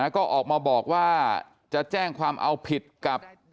ก็ออกมาบอกว่าจะแจ้งความเอาผิดกับ